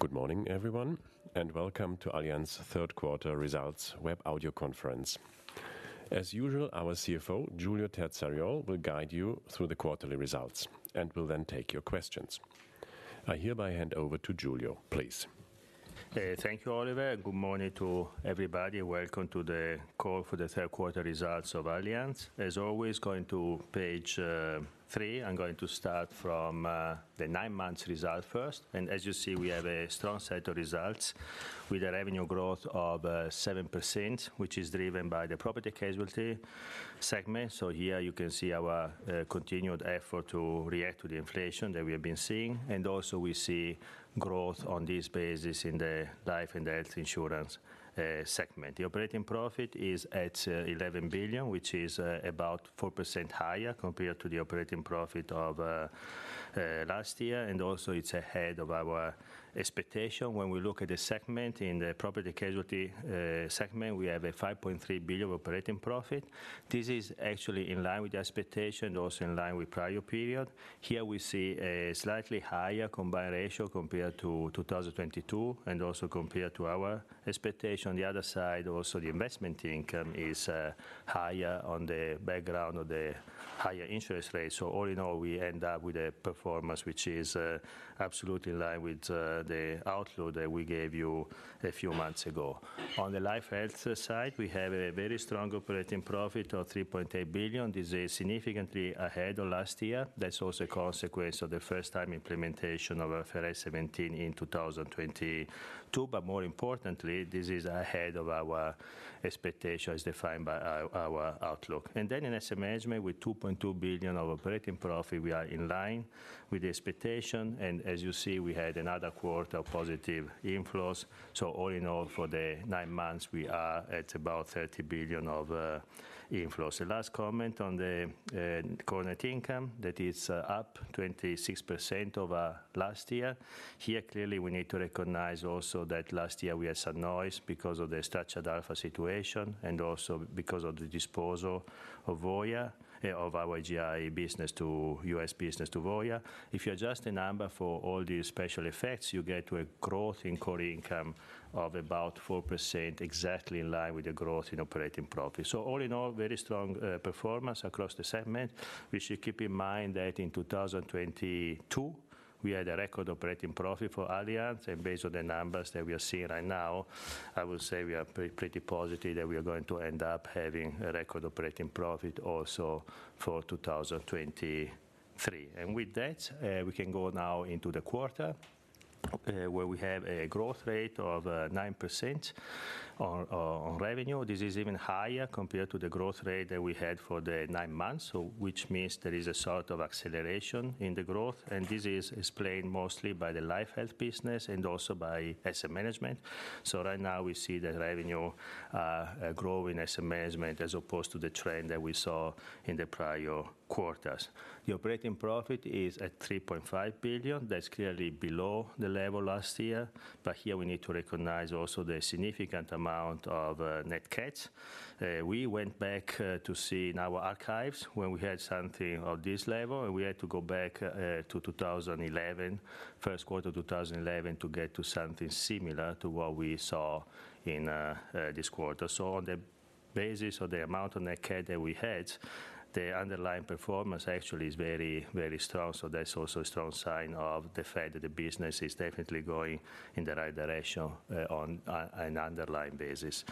Good morning, everyone, and welcome to Allianz third quarter results web audio conference. As usual, our CFO, Giulio Terzariol, will guide you through the quarterly results and will then take your questions. I hereby hand over to Giulio, please. Thank you, Holger, and good morning to everybody. Welcome to the call for the third quarter results of Allianz. As always, going to page three. I'm going to start from the nine months result first. As you see, we have a strong set of results with a revenue growth of 7%, which is driven by the property casualty segment. So here you can see our continued effort to react to the inflation that we have been seeing, and also we see growth on this basis in the life and health insurance segment. The operating profit is at 11 billion, which is about 4% higher compared to the operating profit of last year, and also it's ahead of our expectation. When we look at the segment, in the property-casualty segment, we have a 5.3 billion operating profit. This is actually in line with the expectation, also in line with prior period. Here we see a slightly higher combined ratio compared to 2022, and also compared to our expectation. On the other side, also, the investment income is higher on the background of the higher interest rate. So all in all, we end up with a performance which is absolutely in line with the outlook that we gave you a few months ago. On the life/health side, we have a very strong operating profit of 3.8 billion. This is significantly ahead of last year. That's also a consequence of the first time implementation of IFRS 17 in 2022. But more importantly, this is ahead of our expectation as defined by our outlook. And then in asset management, with 2.2 billion of operating profit, we are in line with the expectation, and as you see, we had another quarter of positive inflows. So all in all, for the nine months, we are at about 30 billion of inflows. The last comment on the core income, that is up 26% over last year. Here, clearly, we need to recognize also that last year we had some noise because of the Structured Alpha situation and also because of the disposal of our GI business, our U.S. business to Voya. If you adjust the number for all these special effects, you get to a growth in core income of about 4%, exactly in line with the growth in operating profit. So all in all, very strong, performance across the segment. We should keep in mind that in 2022, we had a record operating profit for Allianz, and based on the numbers that we are seeing right now, I would say we are pretty positive that we are going to end up having a record operating profit also for 2023. And with that, we can go now into the quarter, where we have a growth rate of 9% on revenue. This is even higher compared to the growth rate that we had for the nine months. So which means there is a sort of acceleration in the growth, and this is explained mostly by the life health business and also by asset management. So right now we see the revenue growing in asset management, as opposed to the trend that we saw in the prior quarters. The operating profit is at 3.5 billion. That's clearly below the level last year, but here we need to recognize also the significant amount of net cats. We went back to see in our archives when we had something of this level, and we had to go back to 2011, first quarter 2011, to get to something similar to what we saw in this quarter. So on the basis of the amount of net cat that we had, the underlying performance actually is very, very strong. So that's also a strong sign of the fact that the business is definitely going in the right direction on an underlying basis.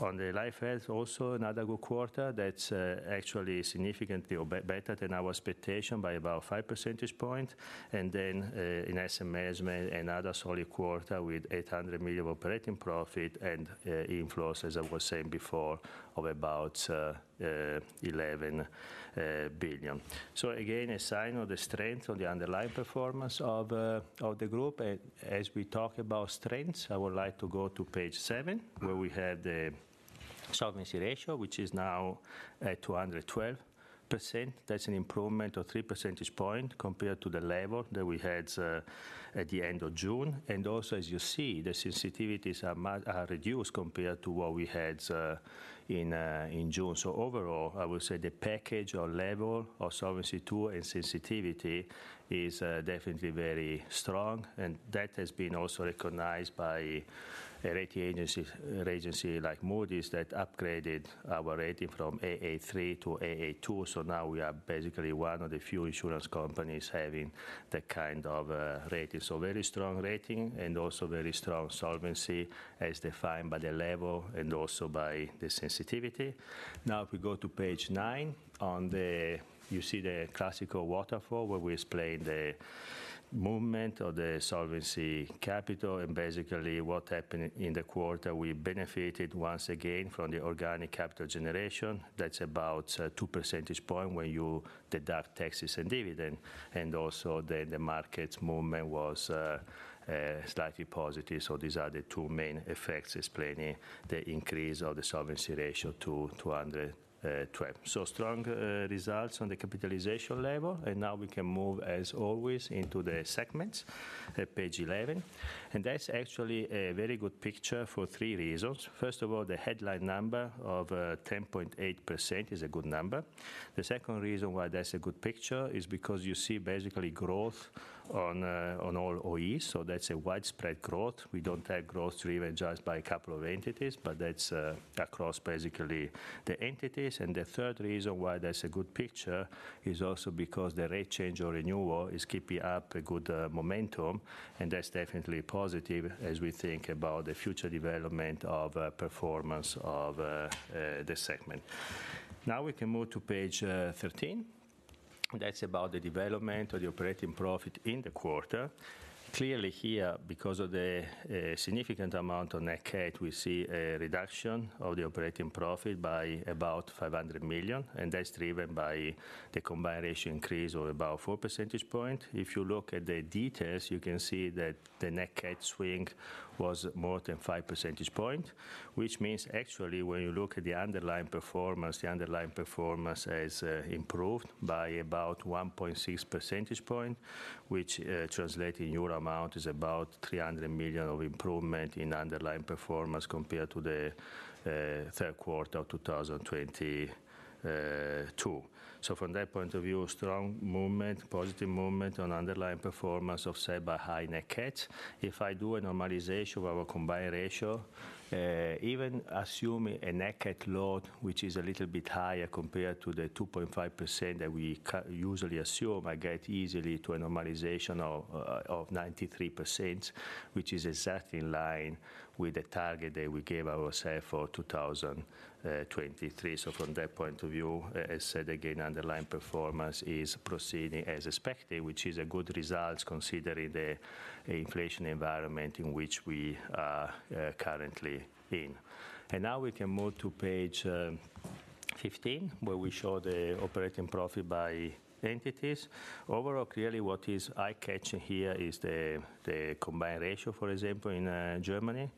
On the life health, also another good quarter that's actually significantly better than our expectation by about 5 percentage points. Then in asset management, another solid quarter with 800 million of operating profit and inflows, as I was saying before, of about 11 billion. So again, a sign of the strength on the underlying performance of the group. And as we talk about strengths, I would like to go to page 7, where we have the solvency ratio, which is now at 212%. That's an improvement of 3 percentage points compared to the level that we had at the end of June. And also, as you see, the sensitivities are reduced compared to what we had in June. So overall, I would say the package or level of Solvency II and sensitivity is, definitely very strong, and that has been also recognized by a rating agency like Moody's, that upgraded our rating from Aa3 to Aa2. So now we are basically one of the few insurance companies having that kind of, rating. So very strong rating and also very strong solvency as defined by the level and also by the sensitivity. Now, if we go to page nine, on the... You see the classical waterfall, where we explain the movement of the solvency capital and basically what happened in the quarter. We benefited once again from the organic capital generation. That's about, 2 percentage point when you deduct taxes and dividend, and also the markets movement was, slightly positive. So these are the two main effects explaining the increase of the solvency ratio to 212. Strong results on the capitalization level, and now we can move, as always, into the segments at page 11. That's actually a very good picture for three reasons. First of all, the headline number of 10.8% is a good number. The second reason why that's a good picture is because you see basically growth on all OEs, so that's a widespread growth. We don't have growth driven just by a couple of entities, but that's across the entities. The third reason why that's a good picture is also because the rate change or renewal is keeping up a good momentum, and that's definitely positive as we think about the future development of performance of the segment. Now, we can move to page 13. That's about the development of the operating profit in the quarter. Clearly, here, because of the significant amount of net cat, we see a reduction of the operating profit by about 500 million, and that's driven by the combined ratio increase of about four percentage points. If you look at the details, you can see that the net cat swing was more than 5 percentage points, which means actually, when you look at the underlying performance, the underlying performance has improved by about 1.6 percentage points, which, translating Euro amount is about 300 million of improvement in underlying performance compared to the third quarter of 2022. So from that point of view, strong movement, positive movement on underlying performance offset by high net cat. If I do a normalization of our combined ratio, even assuming a net cat load, which is a little bit higher compared to the 2.5% that we usually assume, I get easily to a normalization of 93%, which is exactly in line with the target that we gave ourselves for 2023. So from that point of view, as said again, underlying performance is proceeding as expected, which is a good result, considering the inflation environment in which we are currently in. And now we can move to page 15, where we show the operating profit by entities. Overall, clearly, what is eye-catching here is the combined ratio, for example, in Germany,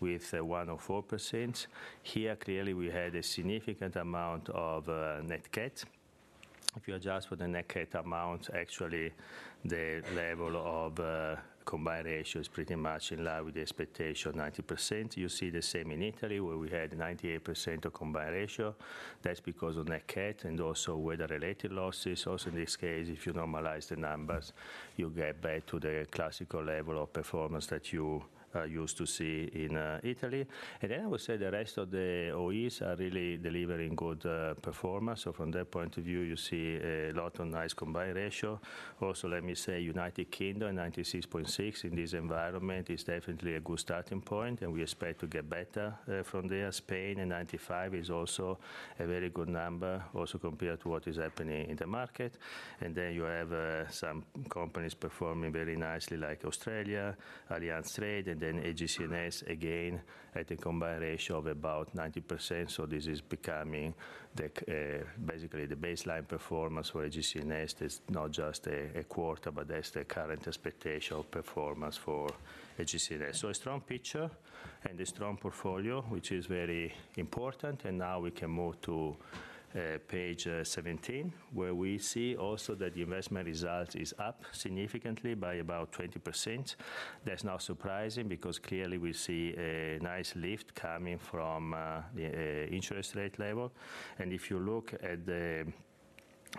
with 104%. Here, clearly, we had a significant amount of net cat. If you adjust for the net cat amount, actually, the level of combined ratio is pretty much in line with the expectation, 90%. You see the same in Italy, where we had 98% combined ratio. That's because of net cat and also weather-related losses. Also, in this case, if you normalize the numbers, you get back to the classical level of performance that you used to see in Italy. And then I would say the rest of the OEs are really delivering good performance. So from that point of view, you see a lot of nice combined ratio. Also, let me say, United Kingdom, 96.6 in this environment is definitely a good starting point, and we expect to get better from there. Spain, and 95 is also a very good number, also compared to what is happening in the market. And then you have some companies performing very nicely, like Australia, Allianz Trade, and then AGCS, again, at a combined ratio of about 90%. So this is becoming basically the baseline performance for AGCS. It's not just a quarter, but that's the current expectation of performance for AGCS. So a strong picture and a strong portfolio, which is very important. And now we can move to page 17, where we see also that the investment result is up significantly by about 20%. That's not surprising, because clearly we see a nice lift coming from the interest rate level. And if you look at the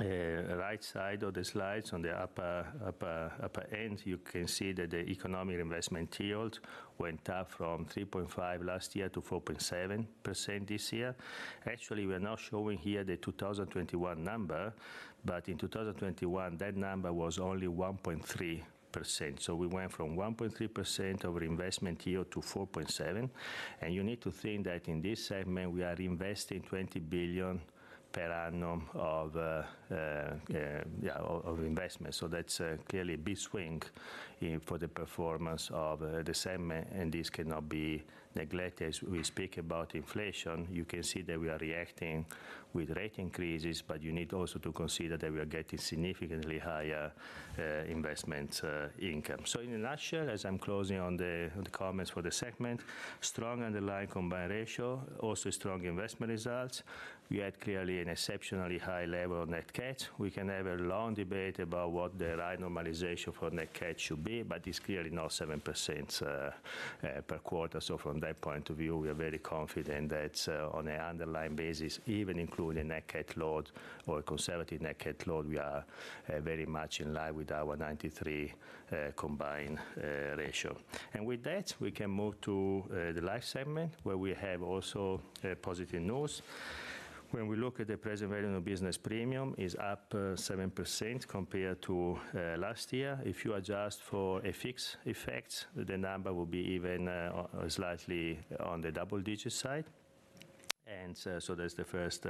right side of the slides, on the upper end, you can see that the economic investment yield went up from 3.5 last year to 4.7% this year. Actually, we're not showing here the 2021 number, but in 2021, that number was only 1.3%. So we went from 1.3% of investment yield to 4.7%, and you need to think that in this segment, we are investing 20 billion per annum of investment. So that's clearly a big swing in the performance of the segment, and this cannot be neglected. As we speak about inflation, you can see that we are reacting with rate increases, but you need also to consider that we are getting significantly higher investment income. So in a nutshell, as I'm closing on the comments for the segment, strong underlying combined ratio, also strong investment results. We had clearly an exceptionally high level of net cat. We can have a long debate about what the right normalization for net cat should be, but it's clearly not 7%, per quarter. So from that point of view, we are very confident that, on an underlying basis, even including net cat load or a conservative net cat load, we are very much in line with our 93 combined ratio. And with that, we can move to the life segment, where we have also positive news. When we look at the present value of business premium, it is up 7% compared to last year. If you adjust for FX effects, the number will be even slightly on the double-digit side. So that's the first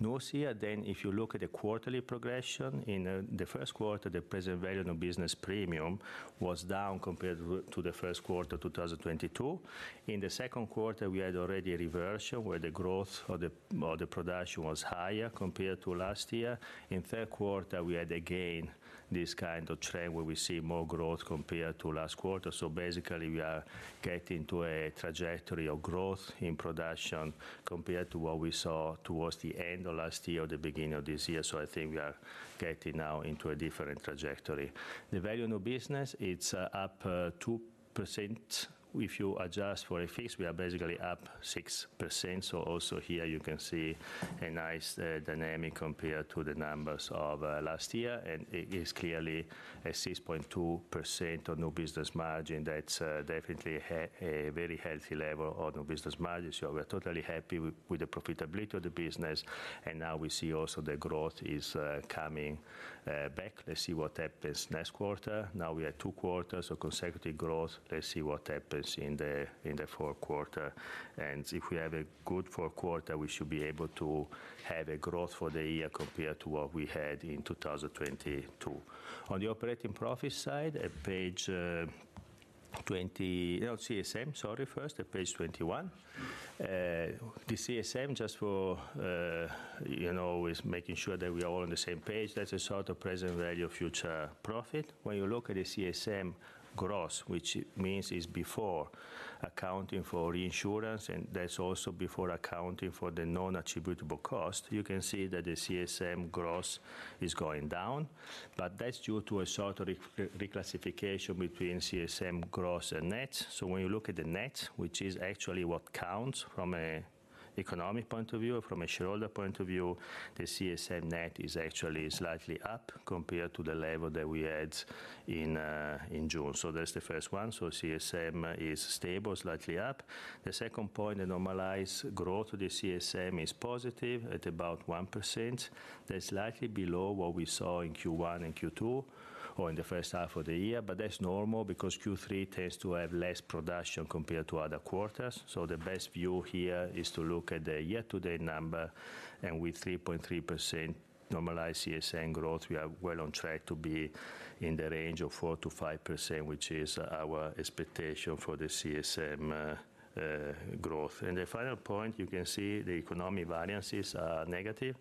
news here. Then, if you look at the quarterly progression, in the first quarter, the present value of business premium was down compared to the first quarter of 2022. In the second quarter, we had already a reversion, where the growth of the production was higher compared to last year. In third quarter, we had again this kind of trend, where we see more growth compared to last quarter. So basically, we are getting to a trajectory of growth in production compared to what we saw towards the end of last year or the beginning of this year. So I think we are getting now into a different trajectory. The value of new business, it's up 2%. If you adjust for FX, we are basically up 6%. So also here you can see a nice dynamic compared to the numbers of last year, and it is clearly a 6.2% on new business margin. That's definitely a very healthy level of new business margin. So we're totally happy with the profitability of the business, and now we see also the growth is coming back. Let's see what happens next quarter. Now we are two quarters of consecutive growth. Let's see what happens in the fourth quarter. And if we have a good fourth quarter, we should be able to have a growth for the year compared to what we had in 2022. On the operating profit side, at page twenty, oh, CSM, sorry, first at page 21. The CSM, just for you know, is making sure that we are all on the same page. That's a sort of present value of future profit. When you look at the CSM gross, which it means is before accounting for reinsurance, and that's also before accounting for the non-attributable cost, you can see that the CSM gross is going down. But that's due to a sort of re-classification between CSM gross and net. So when you look at the net, which is actually what counts from an economic point of view or from a shareholder point of view, the CSM net is actually slightly up compared to the level that we had in June. So that's the first one. So CSM is stable, slightly up. The second point, the normalized growth of the CSM is positive at about 1%. That's slightly below what we saw in Q1 and Q2 or in the first half of the year, but that's normal because Q3 tends to have less production compared to other quarters. So the best view here is to look at the year-to-date number, and with 3.3% normalized CSM growth, we are well on track to be in the range of 4%-5%, which is our expectation for the CSM growth. And the final point, you can see the economic variances are negative,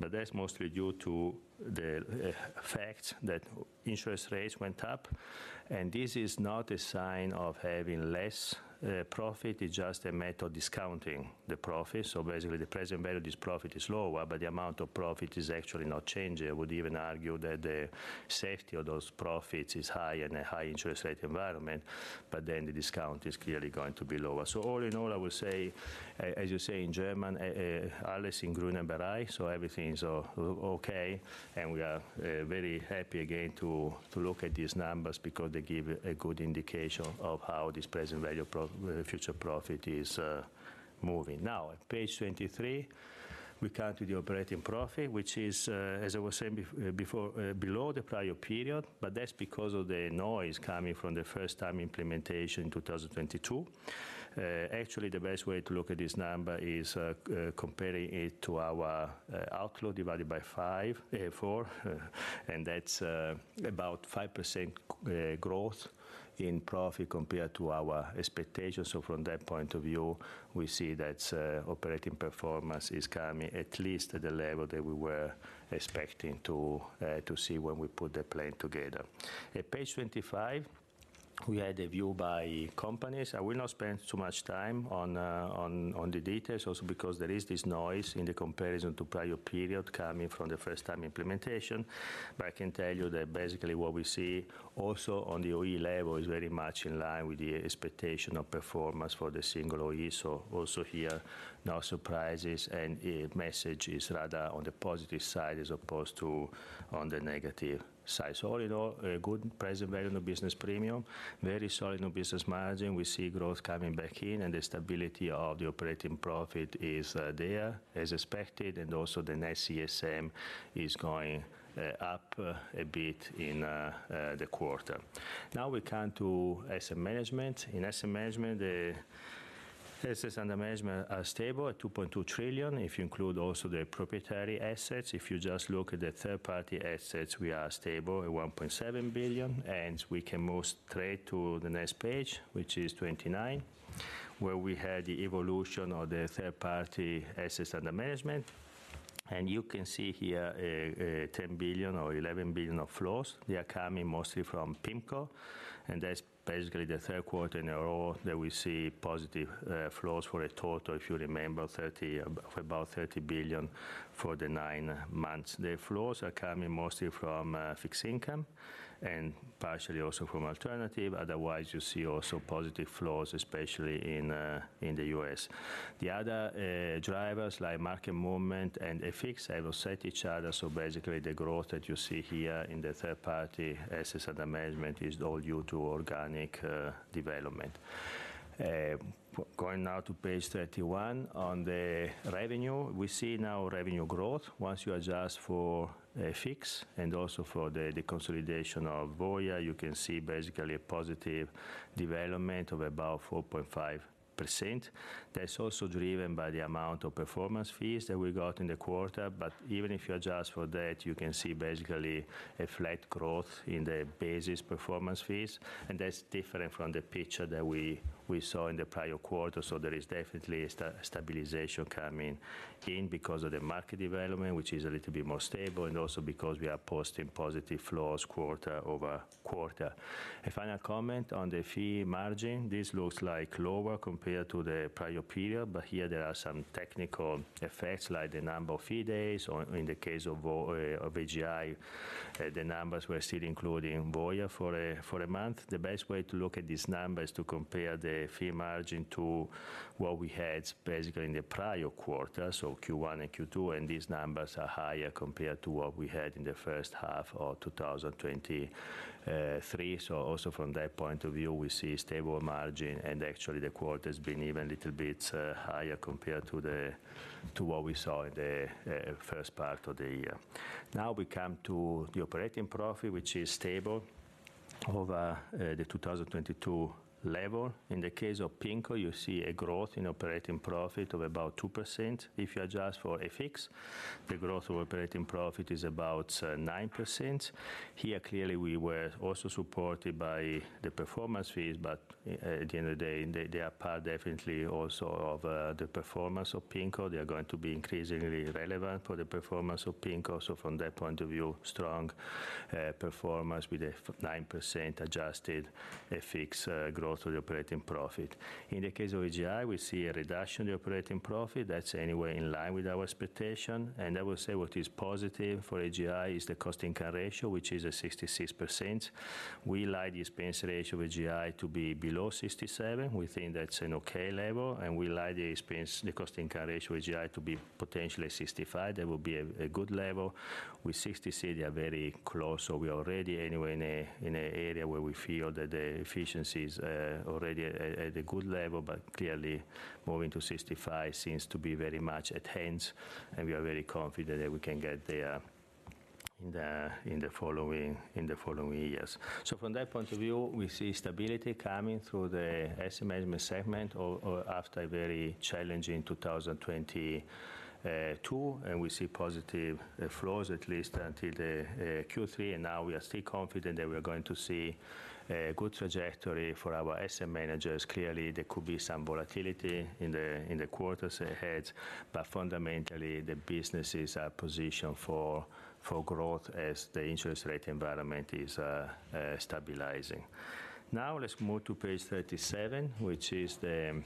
but that's mostly due to the fact that interest rates went up, and this is not a sign of having less profit. It's just a matter of discounting the profit. So basically, the present value of this profit is lower, but the amount of profit is actually not changing. I would even argue that the safety of those profits is high in a high interest rate environment, but then the discount is clearly going to be lower. So all in all, I will say, as you say in German, "Alles in Grünen aber ich" so everything is, okay, and we are, very happy again to look at these numbers because they give a good indication of how this present value of future profit is, moving. Now, at page 23, we come to the operating profit, which is, as I was saying before, below the prior period, but that's because of the noise coming from the first time implementation in 2022. Actually, the best way to look at this number is, comparing it to our outlook divided by five, four, and that's, about 5% growth in profit compared to our expectations. So from that point of view, we see that, operating performance is coming at least at the level that we were expecting to see when we put the plan together. At page 25, we had a view by companies. I will not spend too much time on the details, also because there is this noise in the comparison to prior period coming from the first time implementation. But I can tell you that basically what we see also on the OE level is very much in line with the expectation of performance for the single OE. So also here, no surprises, and message is rather on the positive side as opposed to on the negative side. So all in all, a good present value of the business premium, very solid new business margin. We see growth coming back in, and the stability of the operating profit is there as expected, and also the next CSM is going up a bit in the quarter. Now we come to asset management. In asset management, the assets under management are stable at 2.2 trillion, if you include also the proprietary assets. If you just look at the third-party assets, we are stable at 1.7 trillion, and we can move straight to the next page, which is 29, where we had the evolution of the third-party assets under management. And you can see here, 10 billion or 11 billion of flows. They are coming mostly from PIMCO, and that's basically the third quarter in a row that we see positive flows for a total, if you remember, thirty... about 30 billion for the nine months. The flows are coming mostly from fixed income and partially also from alternative. Otherwise, you see also positive flows, especially in the U.S. The other drivers, like market movement and FX, they will set each other. So basically, the growth that you see here in the third-party assets under management is all due to organic development. Going now to page 31, on the revenue, we see now revenue growth. Once you adjust for FX and also for the consolidation of Voya, you can see basically a positive development of about 4.5%. That's also driven by the amount of performance fees that we got in the quarter. But even if you adjust for that, you can see basically a flat growth in the basis performance fees, and that's different from the picture that we saw in the prior quarter. So there is definitely a stabilization coming in because of the market development, which is a little bit more stable, and also because we are posting positive flows quarter-over-quarter. A final comment on the fee margin. This looks like lower compared to the prior period, but here there are some technical effects, like the number of fee days or in the case of Voya of AGI, the numbers were still including Voya for a month. The best way to look at this number is to compare the fee margin to what we had basically in the prior quarter, so Q1 and Q2, and these numbers are higher compared to what we had in the first half of 2023. So also from that point of view, we see stable margin, and actually, the quarter's been even a little bit higher compared to what we saw in the first part of the year. Now we come to the operating profit, which is stable over the 2022 level. In the case of P&C, you see a growth in operating profit of about 2%. If you adjust for FX, the growth of operating profit is about 9%. Here, clearly, we were also supported by the performance fees, but at the end of the day, they, they are part definitely also of the performance of P&C. They are going to be increasingly relevant for the performance of P&C. So from that point of view, strong performance with a 9% adjusted FX growth of the operating profit. In the case of AGI, we see a reduction in operating profit. That's anywhere in line with our expectation. And I will say what is positive for AGI is the cost income ratio, which is at 66%. We like the expense ratio of AGI to be below 67. We think that's an okay level, and we like the expense, the cost income ratio of AGI to be potentially 65. That would be a good level. With 66, they are very close, so we are already anywhere in a, in a area where we feel that the efficiency is already at, at, at a good level, but clearly moving to 65 seems to be very much at hand, and we are very confident that we can get there in the, in the following, in the following years. So from that point of view, we see stability coming through the asset management segment after a very challenging 2022, and we see positive flows at least until the Q3, and now we are still confident that we are going to see a good trajectory for our asset managers. Clearly, there could be some volatility in the quarters ahead, but fundamentally, the businesses are positioned for growth as the interest rate environment is stabilizing. Now let's move to page 37, which is the,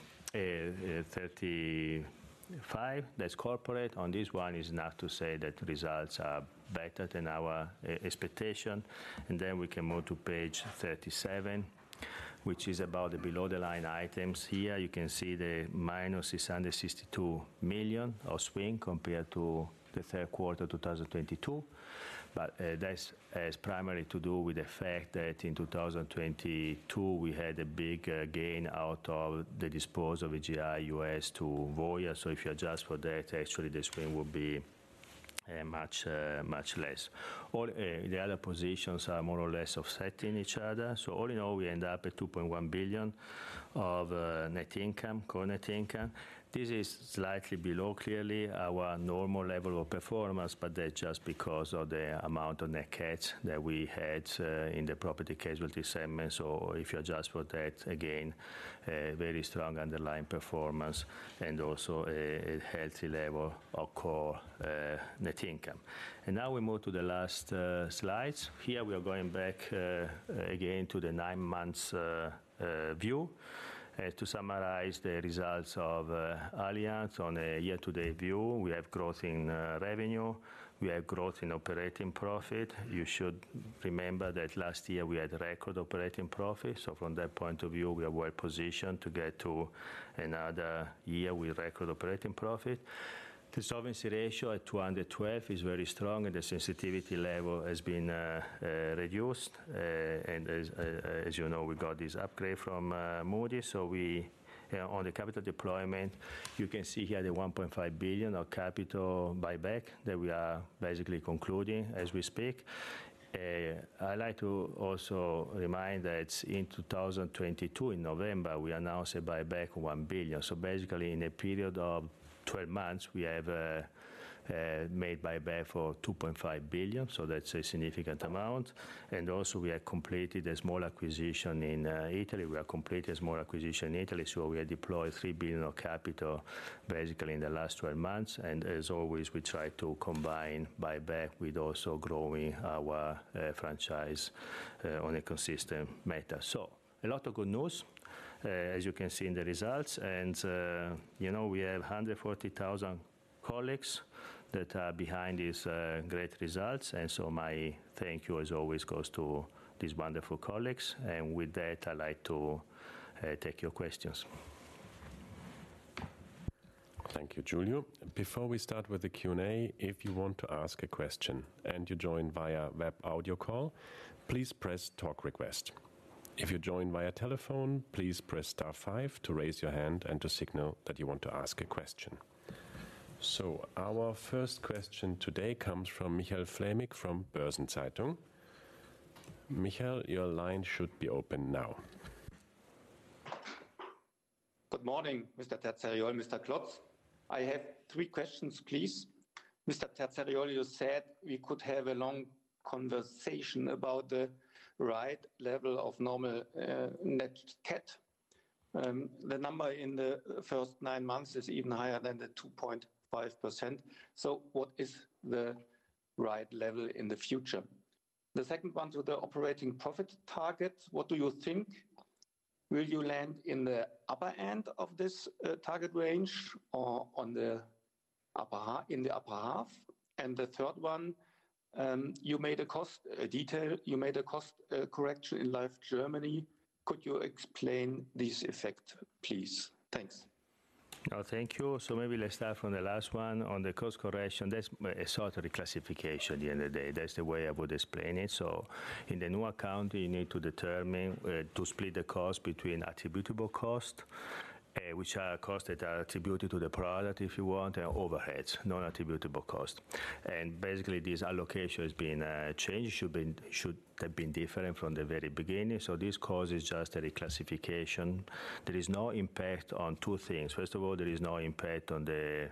35. That's corporate. On this one is enough to say that results are better than our expectation. And then we can move to page 37, which is about the below-the-line items. Here, you can see the -662 million swing compared to the third quarter of 2022. But, that's, primarily to do with the fact that in 2022, we had a big, gain out of the disposal of AGI U.S. to Voya. So if you adjust for that, actually the swing will be, much, much less. All, the other positions are more or less offsetting each other. So all in all, we end up at 2.1 billion of, net income, core net income. This is slightly below, clearly, our normal level of performance, but that's just because of the amount of net cat that we had in the property casualty segment. So if you adjust for that, again, a very strong underlying performance and also a healthy level of core net income. Now we move to the last slides. Here we are going back again to the nine months view. To summarize the results of Allianz on a year-to-date view, we have growth in revenue, we have growth in operating profit. You should remember that last year we had record operating profit, so from that point of view, we are well positioned to get to another year with record operating profit. The solvency ratio at 212 is very strong, and the sensitivity level has been reduced. And as you know, we got this upgrade from Moody's. So we on the capital deployment, you can see here the 1.5 billion of capital buyback that we are basically concluding as we speak. I'd like to also remind that in 2022, in November, we announced a buyback of 1 billion. So basically, in a period of 12 months, we have made buyback for 2.5 billion. So that's a significant amount. And also we have completed a small acquisition in Italy. We have completed a small acquisition in Italy, so we have deployed 3 billion of capital, basically in the last 12 months. And as always, we try to combine buyback with also growing our franchise on a consistent matter. So a lot of good news, as you can see in the results. And, you know, we have 140,000 colleagues that are behind these, great results, and so my thank you, as always, goes to these wonderful colleagues. And with that, I'd like to, take your questions. Thank you, Giulio. Before we start with the Q&A, if you want to ask a question and you joined via web audio call, please press talk request. If you joined via telephone, please press star five to raise your hand and to signal that you want to ask a question. Our first question today comes from Michael Flämig from Börsen-Zeitung. Michael, your line should be open now. Good morning, Mr. Terzariol, Mr. Klotz. I have three questions, please. Mr. Terzariol, you said we could have a long conversation about the right level of normal net cat. The number in the first nine months is even higher than the 2.5%. So what is the right level in the future? The second one, to the operating profit target, what do you think? Will you land in the upper end of this target range or on the upper half, in the upper half? And the third one, you made a cost correction in Life Germany. Could you explain this effect, please? Thanks. Oh, thank you. So maybe let's start from the last one. On the cost correction, that's a sort of reclassification at the end of the day. That's the way I would explain it. So in the new account, you need to determine to split the cost between attributable cost, which are costs that are attributed to the product, if you want, and overheads, non-attributable cost. And basically, this allocation has been changed. Should have been different from the very beginning. So this causes just a reclassification. There is no impact on two things. First of all, there is no impact on the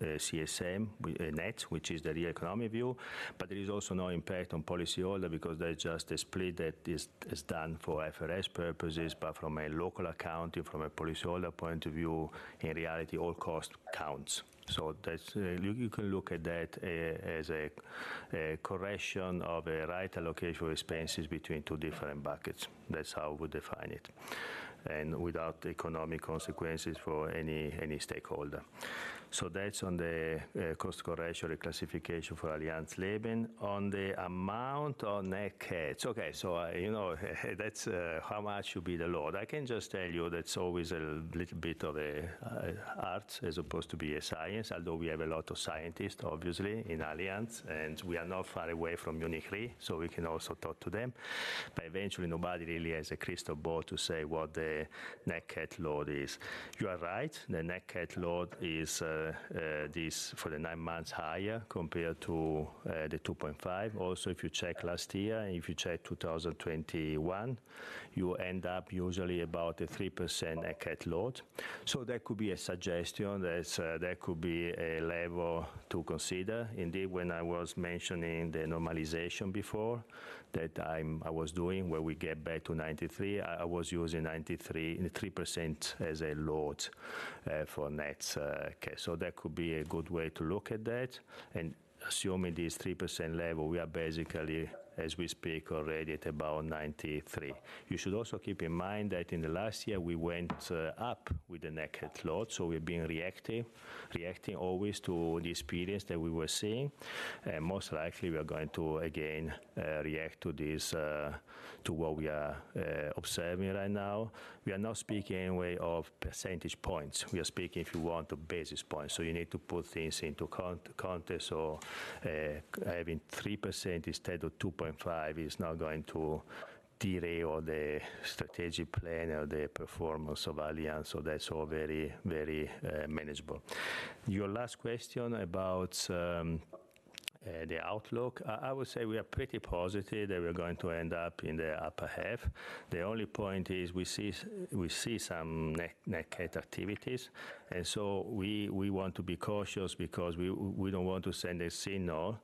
CSM, we net, which is the real economic view. But there is also no impact on policyholder because that is just a split that is done for IFRS purposes, but from a local accounting, from a policyholder point of view, in reality, all cost counts. So that's you can look at that as a correction of a right allocation expenses between two different buckets. That's how we define it, and without economic consequences for any stakeholder. So that's on the cost correction reclassification for Allianz Leben. On the amount on net cats. Okay, so you know, that's how much should be the load? I can just tell you that's always a little bit of a art as opposed to be a science, although we have a lot of scientists, obviously, in Allianz, and we are not far away from Munich Re, so we can also talk to them. But eventually, nobody really has a crystal ball to say what the net cat load is. You are right, the net cat load is, this for the nine months higher compared to, the 2.5. Also, if you check last year, and if you check 2021, you end up usually about a 3% net cat load. So that could be a suggestion, that's, that could be a level to consider. Indeed, when I was mentioning the normalization before, that I'm-- I was doing, where we get back to 93, I, I was using 93 and 3% as a load, for net, okay. So that could be a good way to look at that. And assuming this 3% level, we are basically, as we speak, already at about 93. You should also keep in mind that in the last year, we went up with the net cat load, so we've been reacting, reacting always to the experience that we were seeing. Most likely, we are going to again react to this, to what we are observing right now. We are not speaking in way of percentage points. We are speaking, if you want, of basis points, so you need to put things into context or, having 3% instead of 2.5% is not going to delay all the strategic plan or the performance of Allianz. So that's all very, very manageable. Your last question about the outlook. I would say we are pretty positive that we are going to end up in the upper half. The only point is we see some net cat activities, and so we want to be cautious because we don't want to send a signal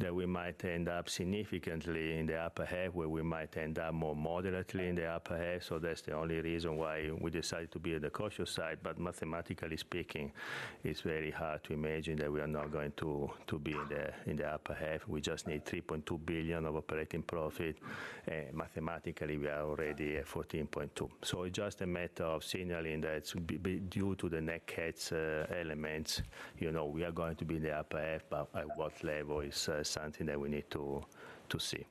that we might end up significantly in the upper half, where we might end up more moderately in the upper half. So that's the only reason why we decided to be on the cautious side. But mathematically speaking, it's very hard to imagine that we are not going to be in the upper half. We just need 3.2 billion of operating profit, mathematically, we are already at 14.2 billion. So it's just a matter of signaling that due to the net cats elements, you know, we are going to be in the upper half, but at what level is something that we need to see.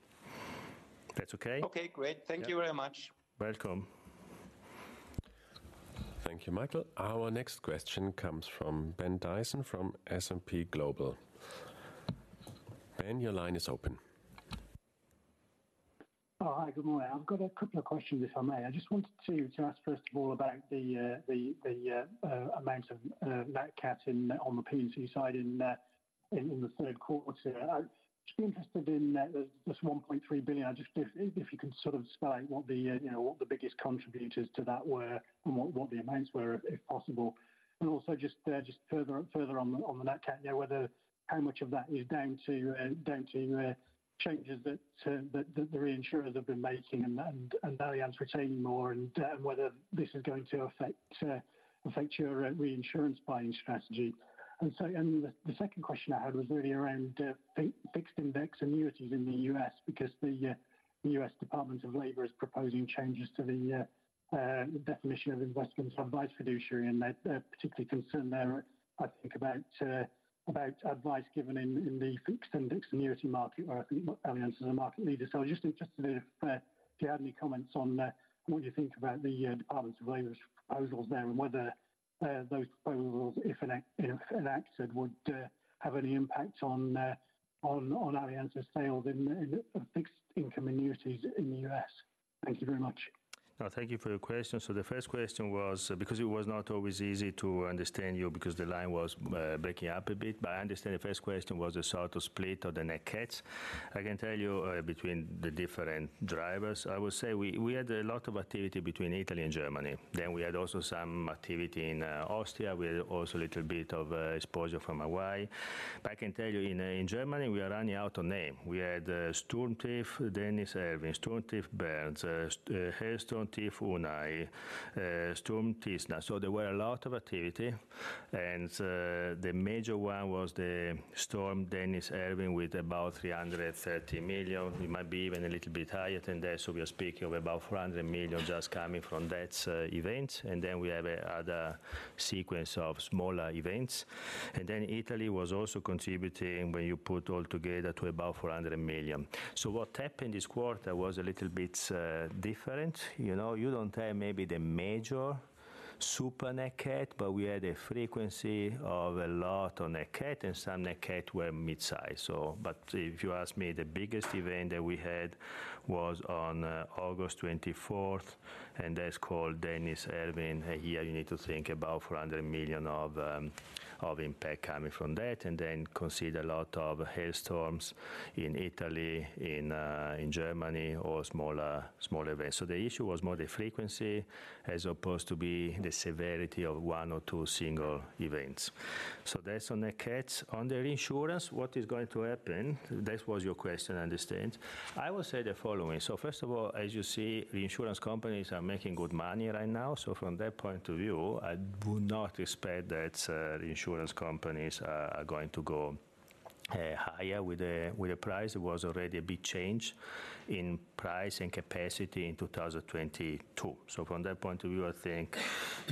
That's okay? Okay, great. Thank you very much. Welcome. Thank you, Michael. Our next question comes from Ben Dyson, from S&P Global. Ben, your line is open. Oh, hi. Good morning. I've got a couple of questions, if I may. I just wanted to ask, first of all, about the amount of net cat on the P&C side in the third quarter. I'd just be interested in this 1.3 billion. I just... If you can sort of spell out what, you know, what the biggest contributors to that were and what the amounts were, if possible. And also just further on the net cat, yeah, whether how much of that is down to changes that the reinsurers have been making and Allianz retaining more, and whether this is going to affect your reinsurance buying strategy. The second question I had was really around fixed index annuities in the U.S., because the U.S. Department of Labor is proposing changes to the definition of investment advice fiduciary. And they're particularly concerned there, I think, about advice given in the fixed index annuity market, where I think Allianz is a market leader. So I was just interested if you had any comments on what you think about the Department of Labor's proposals there, and whether those proposals, if enacted, would have any impact on Allianz's sales in the fixed index annuities in the U.S. Thank you very much. No, thank you for your question. So the first question was, because it was not always easy to understand you because the line was breaking up a bit, but I understand the first question was the sort of split of the net cats. I can tell you between the different drivers, I would say we had a lot of activity between Italy and Germany. Then we had also some activity in Austria. We had also a little bit of exposure from Hawaii. But I can tell you, in Germany, we are running out of names. We had Sturmtief Denis, Erwin, Sturmtief Bernd, Hailstorm Unai, Sturm Tiso. So there were a lot of activity, and the major one was the storm Denis, Erwin, with about 330 million. It might be even a little bit higher than that, so we are speaking of about 400 million just coming from that event. And then we have another sequence of smaller events. And then Italy was also contributing, when you put all together, to about 400 million. So what happened this quarter was a little bit different. You know, you don't have maybe the major super net cat, but we had a frequency of a lot on net cat, and some net cat were mid-size. So, but if you ask me, the biggest event that we had was on August twenty-fourth, and that's called Denis, Erwin. Here, you need to think about 400 million of impact coming from that, and then consider a lot of hailstorms in Italy, in Germany, or smaller, small events. So the issue was more the frequency as opposed to be the severity of one or two single events. So that's on the cats. On the reinsurance, what is going to happen? That was your question, I understand. I will say the following: So first of all, as you see, reinsurance companies are making good money right now. So from that point of view, I would not expect that, reinsurance companies are going to go higher with the price. It was already a big change in price and capacity in 2022. So from that point of view, I think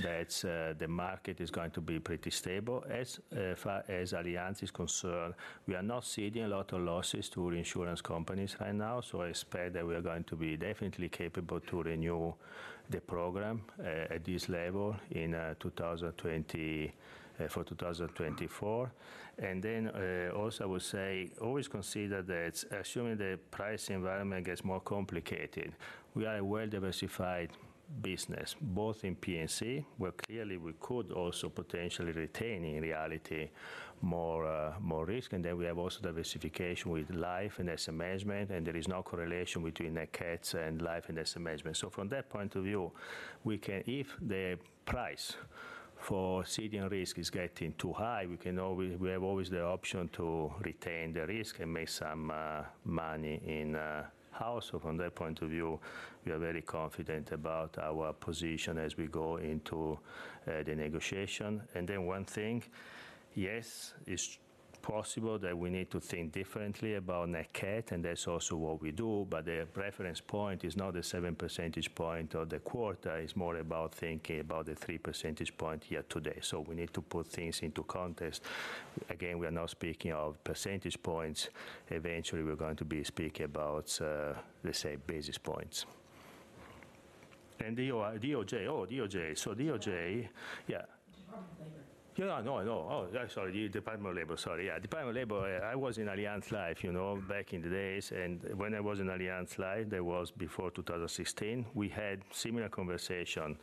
that, the market is going to be pretty stable. As far as Allianz is concerned, we are not ceding a lot of losses to reinsurance companies right now, so I expect that we are going to be definitely capable to renew the program at this level in 2020 for 2024. And then also I would say, always consider that assuming the price environment gets more complicated, we are a well-diversified business, both in P&C, where clearly we could also potentially retain in reality more more risk. And then we have also diversification with life and asset management, and there is no correlation between the cats and life and asset management. So from that point of view, we can, if the price for ceding risk is getting too high, we can always. We have always the option to retain the risk and make some money in-house. From that point of view, we are very confident about our position as we go into the negotiation. And then one thing, yes, it's possible that we need to think differently about net cat, and that's also what we do, but the reference point is not the 7 percentage point of the quarter. It's more about thinking about the 3 percentage point here today. We need to put things into context. Again, we are now speaking of percentage points. Eventually, we're going to be speaking about, let's say, basis points. And DOJ, oh, DOJ. So DOJ, yeah. Yeah. No, I know. Oh, yeah, sorry, Department of Labor. Sorry, yeah, Department of Labor. I was in Allianz Life, you know, back in the days, and when I was in Allianz Life, that was before 2016, we had similar conversation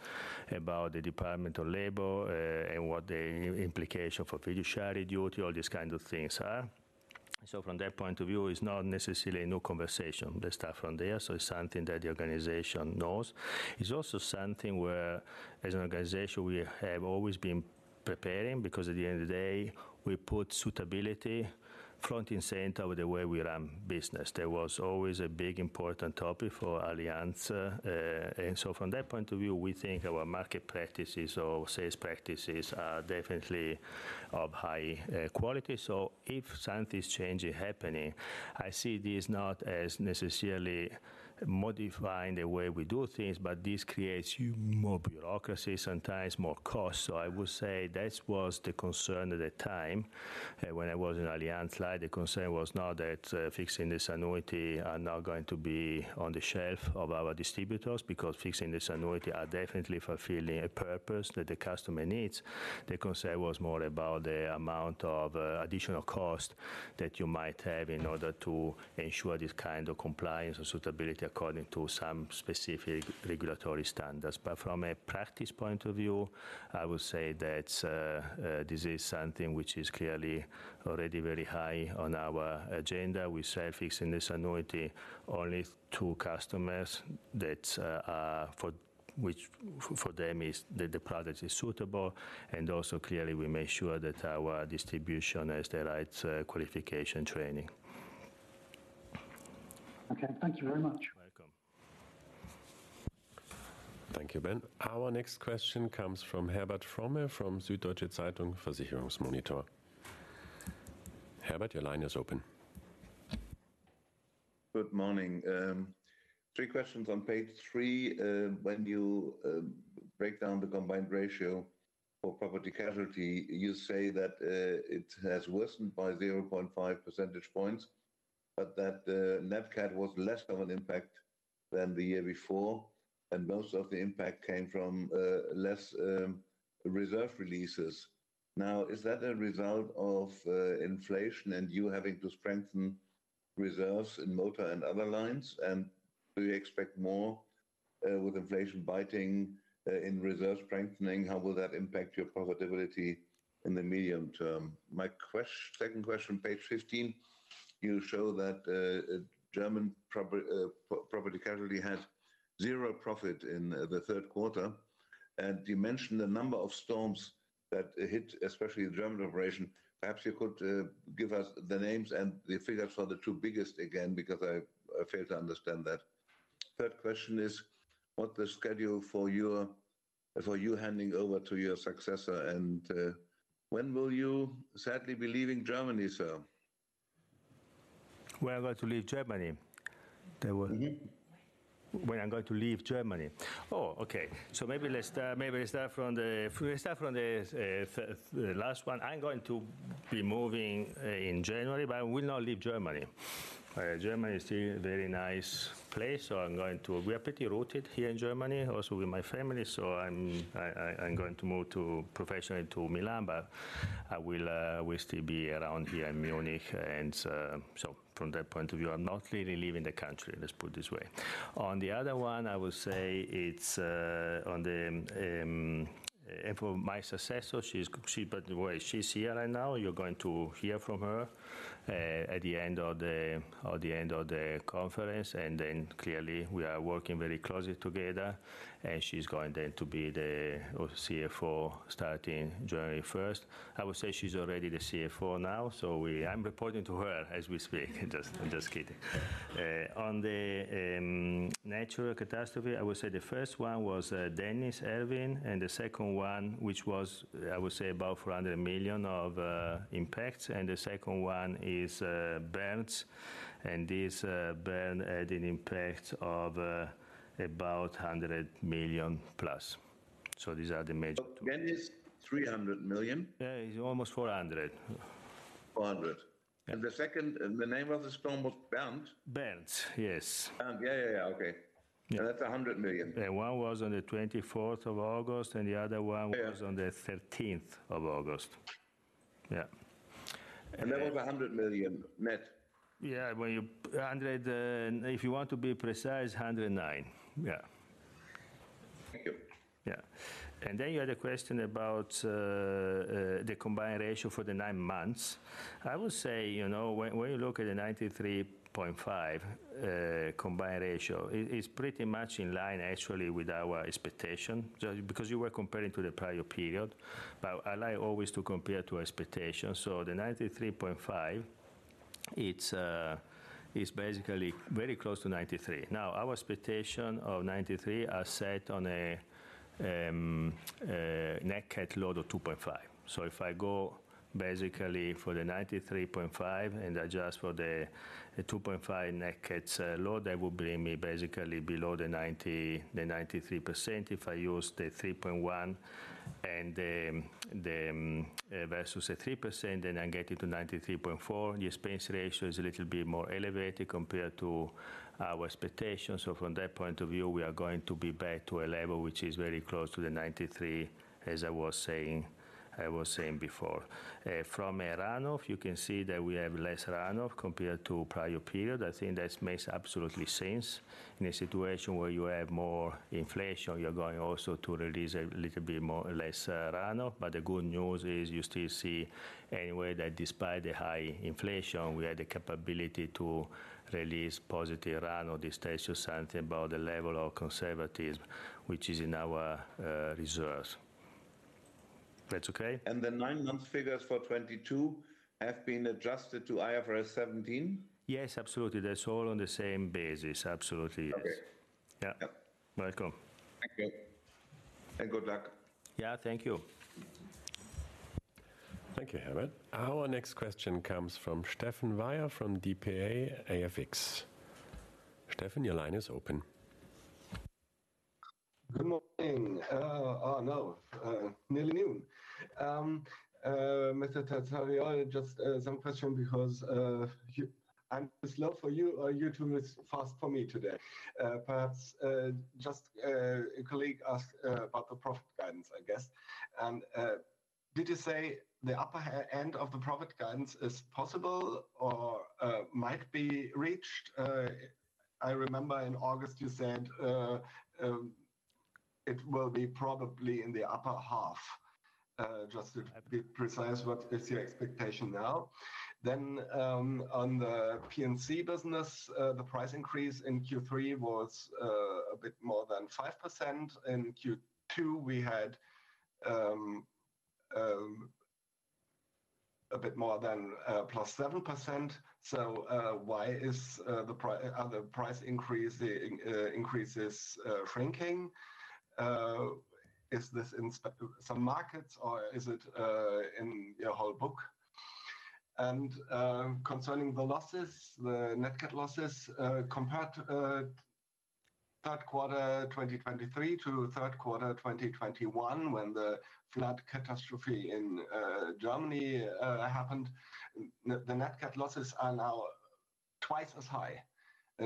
about the Department of Labor, and what the implication for fiduciary duty, all these kind of things are. So from that point of view, it's not necessarily a new conversation. Let's start from there. So it's something that the organization knows. It's also something where, as an organization, we have always been preparing, because at the end of the day, we put suitability front and center with the way we run business. That was always a big important topic for Allianz. And so from that point of view, we think our market practices or sales practices are definitely of high quality. So if something is changing happening, I see this not as necessarily modifying the way we do things, but this creates more bureaucracy, sometimes more cost. So I would say that was the concern at the time, when I was in Allianz Life. The concern was not that, fixed index annuities are now going to be on the shelf of our distributors, because fixed index annuities are definitely fulfilling a purpose that the customer needs. The concern was more about the amount of, additional cost that you might have in order to ensure this kind of compliance or suitability according to some specific regulatory standards. But from a practice point of view, I would say that, this is something which is clearly already very high on our agenda. We sell Fixed Index Annuity only to customers that, are for which for them is... That the product is suitable, and also, clearly, we make sure that our distribution has the right qualification training. Okay, thank you very much. Welcome. Thank you, Ben. Our next question comes from Herbert Fromme, from Süddeutsche Zeitung Versicherungsmonitor. Herbert, your line is open. Good morning. Three questions. On page three, when you break down the Combined Ratio for property casualty, you say that it has worsened by 0.5 percentage points, but that net cat was less of an impact than the year before, and most of the impact came from less reserve releases. Now, is that a result of inflation and you having to strengthen reserves in motor and other lines? And do you expect more, with inflation biting, in reserve strengthening, how will that impact your profitability in the medium term? Second question, page 15, you show that German property casualty had zero profit in the third quarter. And you mentioned a number of storms that hit, especially the German operation. Perhaps you could give us the names and the figures for the two biggest again, because I, I failed to understand that. Third question is, what's the schedule for your, for you handing over to your successor, and when will you sadly be leaving Germany, sir? When I'm going to leave Germany? There were- Mm-hmm. When I'm going to leave Germany. Oh, okay. So maybe let's start from the last one. I'm going to be moving in January, but I will not leave Germany. Germany is still a very nice place, so I'm going to... We are pretty rooted here in Germany, also with my family, so I'm going to move professionally to Milan, but I will still be around here in Munich. So from that point of view, I'm not really leaving the country, let's put it this way. On the other one, I would say it's on the, and for my successor, she's—by the way, she's here right now. You're going to hear from her at the end of the conference, and then clearly we are working very closely together, and she's going then to be the CFO starting January first. I would say she's already the CFO now, so I'm reporting to her as we speak. Just, I'm just kidding. On the natural catastrophe, I would say the first one was Denis, Erwin, and the second one, which was, I would say, about 400 million of impact, and the second one is Bernd. And this Bernd had an impact of about 100 million plus. So these are the major two. Denis, 300 million? Yeah, he's almost 400.... 400. And the second, and the name of the storm was Bernd? Bernd, yes. Bernd. Yeah, yeah, yeah. Okay. Yeah. That's 100 million. One was on the twenty-fourth of August, and the other one- Yeah. Was on the thirteenth of August. Yeah. And then- Over 100 million net? Yeah, when you 100, if you want to be precise, 109. Yeah. Thank you. Yeah. And then you had a question about the combined ratio for the nine months. I would say, you know, when, when you look at the 93.5 combined ratio, it is pretty much in line actually with our expectation, just because you were comparing to the prior period. But I like always to compare to expectation. So the 93.5, it's basically very close to 93. Now, our expectation of 93 are set on a net cat load of 2.5. So if I go basically for the 93.5 and adjust for the 2.5 net cats load, that will bring me basically below the 93%. If I use the 3.1 and the versus the 3%, then I'm getting to 93.4. The expense ratio is a little bit more elevated compared to our expectation. So from that point of view, we are going to be back to a level which is very close to the 93, as I was saying, I was saying before. From a run-off, you can see that we have less run-off compared to prior period. I think that makes absolutely sense. In a situation where you have more inflation, you're going also to release a little bit more, less, run-off. But the good news is you still see anyway, that despite the high inflation, we had the capability to release positive run-off. This tells you something about the level of conservatism, which is in our reserves. That's okay? The nine-month figures for 2022 have been adjusted to IFRS 17? Yes, absolutely. That's all on the same basis. Absolutely, yes. Okay. Yeah. Yeah. Welcome. Thank you, and good luck. Yeah, thank you. Thank you, Herbert. Our next question comes from Stephan Weier from dpa-AFX. Stephan, your line is open. Good morning. Oh, no, nearly noon. Mr. Terzariol, just some question because you... I'm slow for you, or you two are fast for me today. Perhaps just a colleague asked about the profit guidance, I guess. Did you say the upper end of the profit guidance is possible or might be reached? I remember in August you said it will be probably in the upper half. Just to be precise, what is your expectation now? Then on the P&C business, the price increase in Q3 was a bit more than 5%. In Q2, we had a bit more than plus 7%. So why are the price increases shrinking? Is this in some markets or is it in your whole book? And concerning the losses, the net cat losses compared to third quarter 2023 to third quarter 2021, when the flood catastrophe in Germany happened, the net cat losses are now twice as high.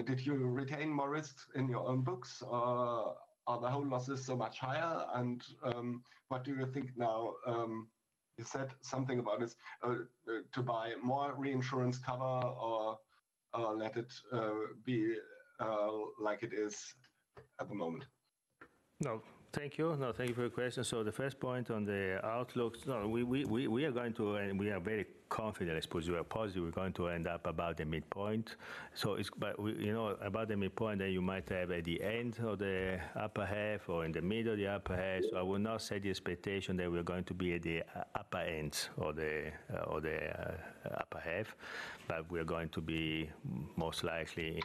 Did you retain more risks in your own books, or are the whole losses so much higher? And what do you think now, you said something about this, to buy more reinsurance cover or let it be like it is at the moment? No, thank you. No, thank you for your question. So the first point on the outlook, no, we are going to, and we are very confident, I suppose. We are positive we're going to end up about the midpoint. So it's... But, you know, about the midpoint, then you might have at the end or the upper half or in the middle of the upper half. So I will not set the expectation that we're going to be at the upper end or the upper half, but we are going to be most likely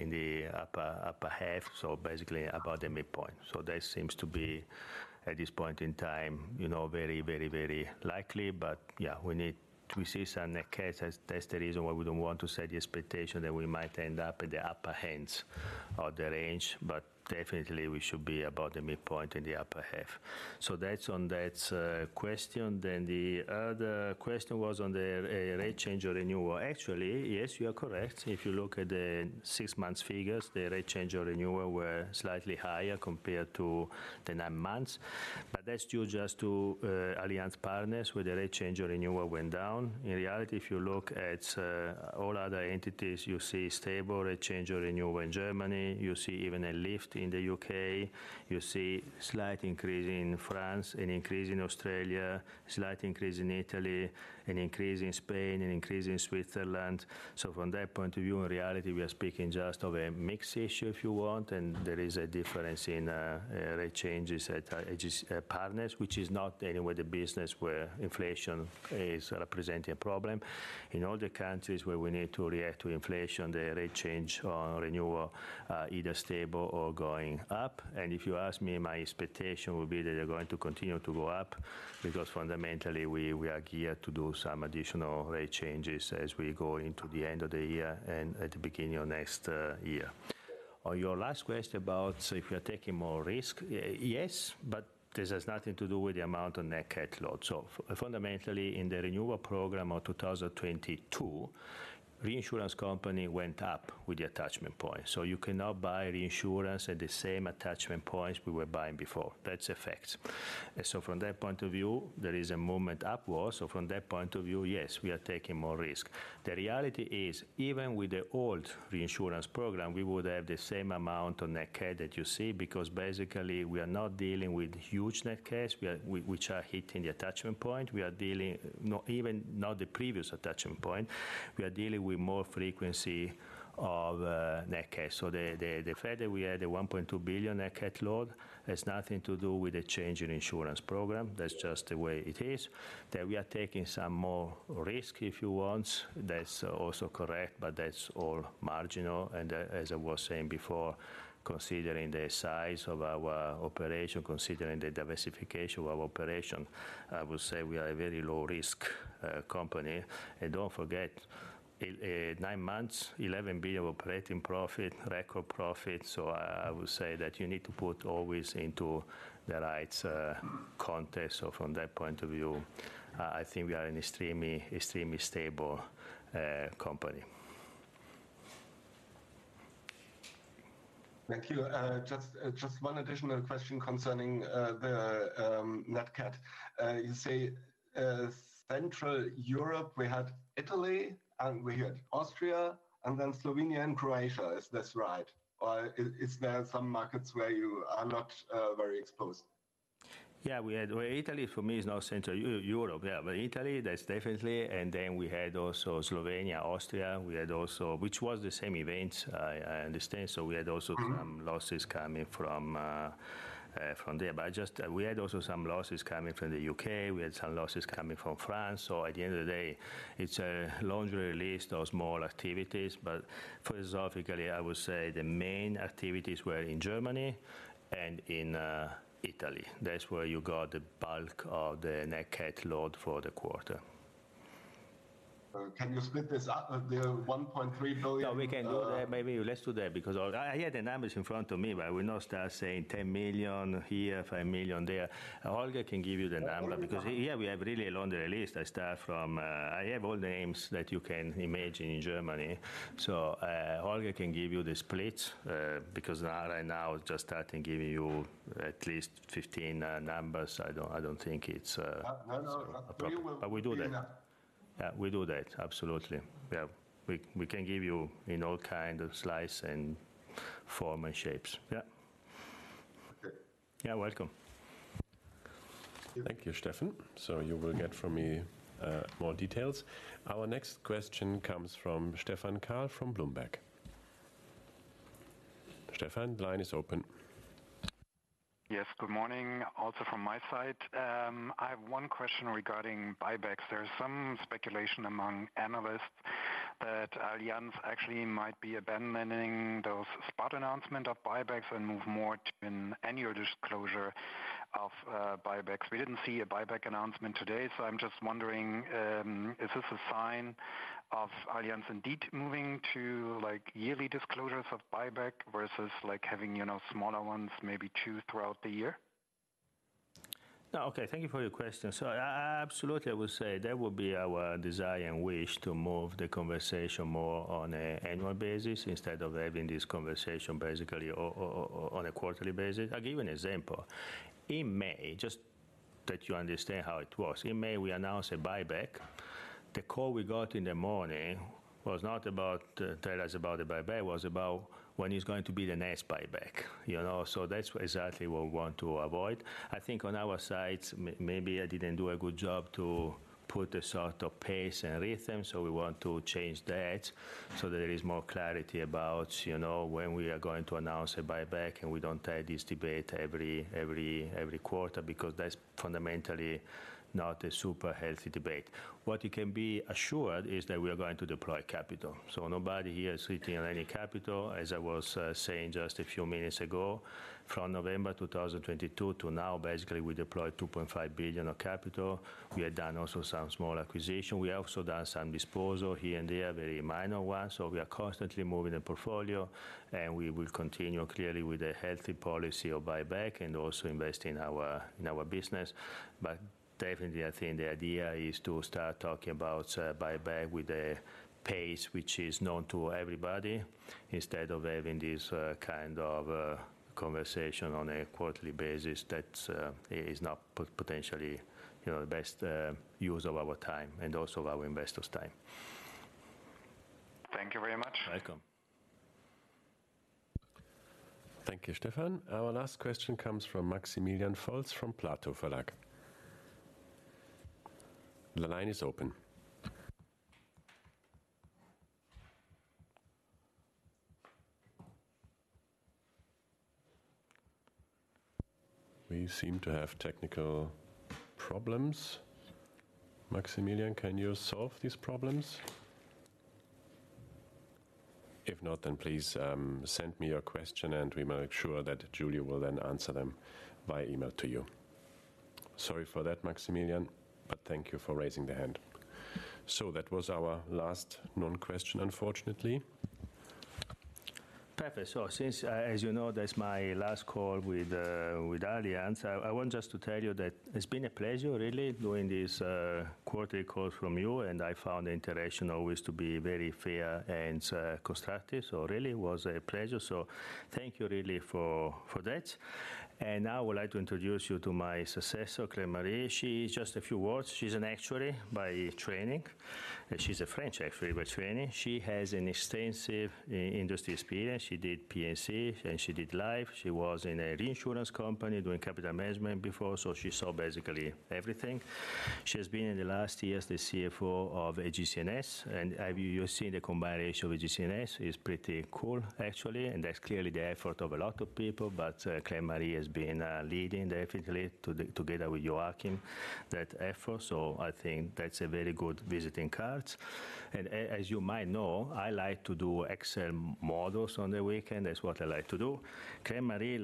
in the upper half, so basically about the midpoint. So that seems to be, at this point in time, you know, very likely. But yeah, we need to see some net cats. That's the reason why we don't want to set the expectation that we might end up in the upper ends of the range, but definitely, we should be about the midpoint in the upper half. So that's on that, question. Then the other question was on the, rate change or renewal. Actually, yes, you are correct. If you look at the six months figures, the rate change or renewal were slightly higher compared to the nine months. But that's due just to, Allianz Partners, where the rate change or renewal went down. In reality, if you look at, all other entities, you see stable rate change or renewal. In Germany, you see even a lift in the U.K., you see slight increase in France, an increase in Australia, slight increase in Italy, an increase in Spain, an increase in Switzerland. So from that point of view, in reality, we are speaking just of a mix issue, if you want, and there is a difference in rate changes at just partners, which is not anywhere the business where inflation is representing a problem. In all the countries where we need to react to inflation, the rate change or renewal are either stable or going up. And if you ask me, my expectation will be that they're going to continue to go up, because fundamentally, we are geared to do some additional rate changes as we go into the end of the year and at the beginning of next year. On your last question about if we are taking more risk, yes, but this has nothing to do with the amount of net cat load. So fundamentally, in the renewal program of 2022, reinsurance company went up with the attachment point. So you cannot buy reinsurance at the same attachment points we were buying before. That's a fact. So from that point of view, there is a movement upwards. So from that point of view, yes, we are taking more risk. The reality is, even with the old reinsurance program, we would have the same amount of net cat that you see, because basically, we are not dealing with huge net cats. We are we, which are hitting the attachment point. We are dealing, not even, not the previous attachment point. We are dealing with more frequency of net cats. So the fact that we had a 1.2 billion net cat load has nothing to do with the change in insurance program. That's just the way it is. That we are taking some more risk, if you want, that's also correct, but that's all marginal. And, as I was saying before, considering the size of our operation, considering the diversification of our operation, I would say we are a very low risk company. And don't forget, nine months, 11 billion Operating Profit, record profit. So I, I would say that you need to put always into the right context. So from that point of view, I think we are an extremely, extremely stable company. Thank you. Just one additional question concerning the net cat. You say Central Europe, we had Italy, and we had Austria, and then Slovenia and Croatia. Is this right? Or is there some markets where you are not very exposed? Yeah, we had... Well, Italy for me is now Central Europe. Yeah, but Italy, that's definitely, and then we had also Slovenia, Austria. We had also... Which was the same event, I understand. So we had also- Mm-hmm. Some losses coming from there. But we had also some losses coming from the U.K. We had some losses coming from France. So at the end of the day, it's a laundry list of small activities, but philosophically, I would say the main activities were in Germany and in Italy. That's where you got the bulk of the net cat load for the quarter. Can you split this up, the 1.3 billion? No, we can do that. Maybe let's do that, because I have the numbers in front of me, but I will not start saying 10 million here, 5 million there. Holger can give you the number- Oh, okay. Because here we have really a longer list. I start from... I have all the names that you can imagine in Germany, so Holger can give you the split, because right now, just starting giving you at least 15 numbers, I don't, I don't think it's... No, no, no.... But we do that. You will do that. Yeah, we do that. Absolutely. Yeah. We can give you in all kinds of slices, forms, and shapes. Yeah. Okay. You are welcome. Thank you, Stephan. So you will get from me, more details. Our next question comes from Stephan Kahl from Bloomberg. Stephan, the line is open. Yes, good morning. Also from my side, I have one question regarding buybacks. There is some speculation among analysts that Allianz actually might be abandoning those spot announcement of buybacks and move more to an annual disclosure of, buybacks. We didn't see a buyback announcement today, so I'm just wondering, is this a sign of Allianz indeed moving to, like, yearly disclosures of buyback versus, like, having, you know, smaller ones, maybe two throughout the year? No, okay. Thank you for your question. So I absolutely would say that would be our desire and wish to move the conversation more on an annual basis instead of having this conversation basically on a quarterly basis. I'll give you an example. In May, just that you understand how it works, in May, we announced a buyback. The call we got in the morning was not about tell us about the buyback, it was about when is going to be the next buyback. You know? So that's exactly what we want to avoid. I think on our side, maybe I didn't do a good job to put a sort of pace and rhythm, so we want to change that so there is more clarity about, you know, when we are going to announce a buyback, and we don't have this debate every quarter, because that's fundamentally not a super healthy debate. What you can be assured is that we are going to deploy capital, so nobody here is sitting on any capital. As I was saying just a few minutes ago, from November 2022 to now, basically, we deployed 2.5 billion of capital. We had done also some small acquisition. We also done some disposal here and there, very minor ones. So we are constantly moving the portfolio, and we will continue clearly with a healthy policy of buyback and also invest in our, in our business. But definitely, I think the idea is to start talking about buyback with a pace which is known to everybody, instead of having this kind of conversation on a quarterly basis. That is not potentially, you know, the best use of our time and also our investors' time. Thank you very much. Welcome. Thank you, Stephan. Our last question comes from Maximilian Völk, from Platow Verlag. The line is open. We seem to have technical problems. Maximilian, can you solve these problems? If not, then please send me your question, and we will make sure that Giulio will then answer them via email to you. Sorry for that, Maximilian, but thank you for raising the hand. So that was our last known question, unfortunately. Perfect. So since, as you know, that's my last call with, with Allianz, I, I want just to tell you that it's been a pleasure really doing this, quarterly call from you, and I found the interaction always to be very fair and, constructive. So really was a pleasure. So thank you really for, for that. And now I would like to introduce you to my successor, Claire-Marie. She is... Just a few words, she's an actuary by training, and she's a French actuary by training. She has an extensive industry experience. She did P&C, and she did Life. She was in a reinsurance company doing capital management before, so she saw basically everything. She has been, in the last years, the CFO of AGCS. Have you seen the combined ratio of AGCS is pretty cool, actually, and that's clearly the effort of a lot of people, but Claire-Marie has been leading definitely together with Joachim that effort. So I think that's a very good visiting cards. And as you might know, I like to do Excel models on the weekend. That's what I like to do. Claire-Marie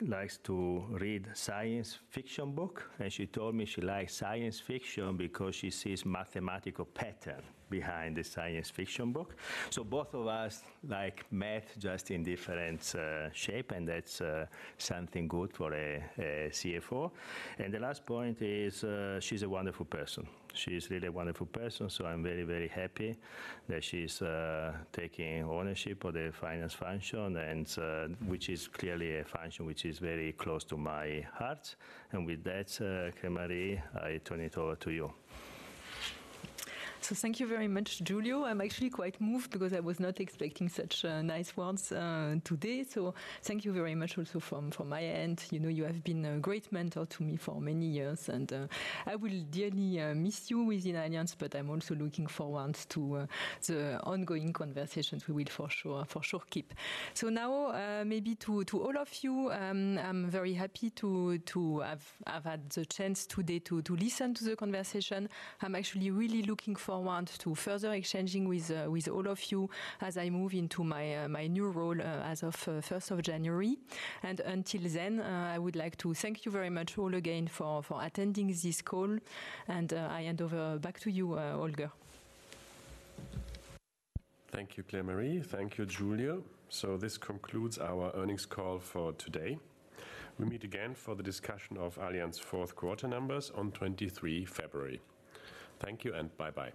likes to read science fiction book, and she told me she likes science fiction because she sees mathematical pattern behind the science fiction book. So both of us like math, just in different shape, and that's something good for a CFO. And the last point is, she's a wonderful person. She's really a wonderful person, so I'm very, very happy that she's taking ownership of the finance function and which is clearly a function which is very close to my heart. And with that, Claire-Marie, I turn it over to you. So thank you very much, Giulio. I'm actually quite moved because I was not expecting such nice words today. So thank you very much also from my end. You know, you have been a great mentor to me for many years, and I will dearly miss you within Allianz, but I'm also looking forward to the ongoing conversations we will for sure keep. So now, maybe to all of you, I'm very happy to have had the chance today to listen to the conversation. I'm actually really looking forward to further exchanging with all of you as I move into my new role, as of 1st of January. Until then, I would like to thank you very much all again for, for attending this call, and I hand over back to you, Holger. Thank you, Claire-Marie. Thank you, Giulio. So this concludes our earnings call for today. We meet again for the discussion of Allianz's fourth quarter numbers on 23 February. Thank you, and bye-bye.